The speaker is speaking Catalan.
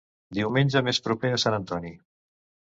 Diumenge més proper a Sant Antoni.